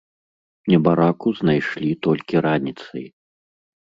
Небараку знайшлі толькі раніцай.